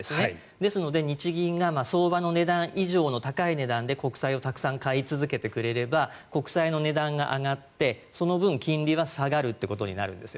ですので日銀が相場の値段以上の高い値段で国債をたくさん買い続けてくれれば国債の値段が上がってその分、金利は下がるということになるんですよ。